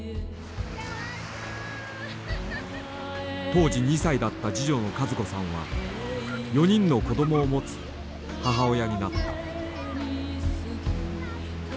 当時２歳だった次女の和子さんは４人の子供を持つ母親になった。